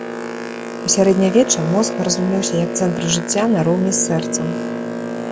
У сярэднявечча мозг разумеўся як цэнтр жыцця, нароўні з сэрцам.